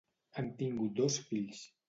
Han tingut dos fills.